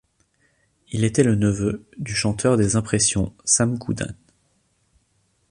Il était le neveu du chanteur des Impressions, Sam Gooden.